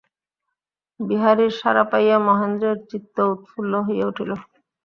বিহারীর সাড়া পাইয়া মহেন্দ্রের চিত্ত উৎফুল্ল হইয়া উঠিল।